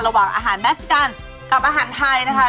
ระหว่างอาหารแมชกันกับอาหารไทยนะคะ